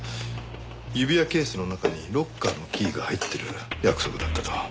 指輪ケースの中にロッカーのキーが入ってる約束だったと。